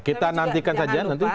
kita nantikan saja nanti